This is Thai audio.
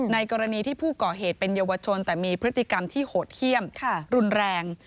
กรณีที่ผู้ก่อเหตุเป็นเยาวชนแต่มีพฤติกรรมที่โหดเยี่ยมรุนแรง